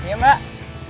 eh mbak mbak mbak mbak